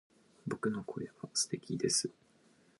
僕の声は素敵です